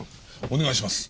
お願いします。